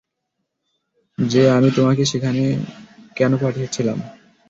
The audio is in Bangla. যে আমি তোমাকে সেখানে কেন পাঠিয়েছিলাম?